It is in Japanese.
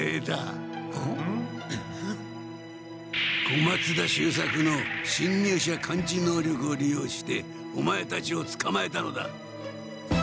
小松田秀作のしんにゅう者感知能力を利用してオマエたちをつかまえたのだ。